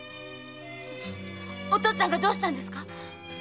お父っつぁんがどうかしたんですか？